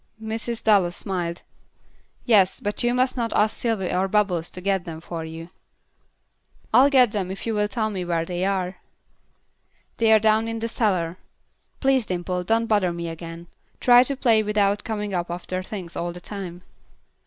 Mrs. Dallas smiled. "Yes, but you must not ask Sylvy or Bubbles to get them for you." "I'll get them if you will tell me where they are." "They are down in the cellar. Please, Dimple, don't bother me again. Try to play without coming up after things all the time."